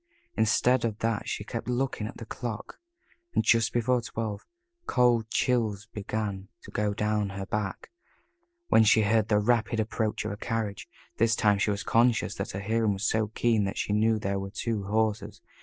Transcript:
Instead of that she kept looking at the clock, and just before twelve, cold chills began to go down her back, when she heard the rapid approach of a carriage this time she was conscious that her hearing was so keen that she knew there were two horses.